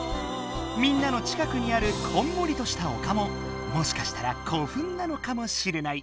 みんなの近くにあるこんもりとしたおかももしかしたら古墳なのかもしれない。